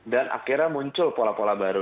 dan akhirnya muncul pola pola baru